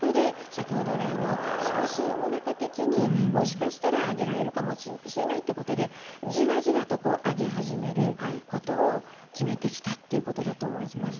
少し世の中的にもしかしたら上げられるかもしれないということでじわじわと上げ始めるということを決めてきたということだと思います。